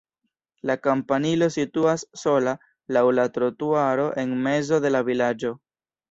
La kampanilo situas sola laŭ la trotuaro en mezo de la vilaĝo.